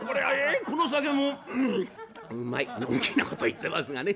のんきなこと言ってますがね。